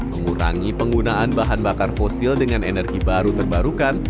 mengurangi penggunaan bahan bakar fosil dengan energi baru terbarukan